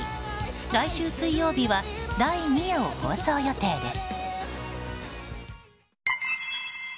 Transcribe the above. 来週水曜日は第２夜を放送予定です。